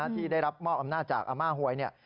ที่ได้รับมอบอำนาจจากอาม่าหวย